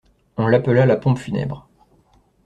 On l'appella la pompe funèbre.